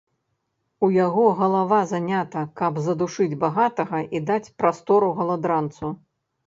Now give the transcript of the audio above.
У яго галава занята, каб задушыць багатага і даць прастору галадранцу.